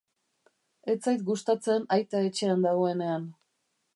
Ez zait gustatzen aita etxean dagoenean.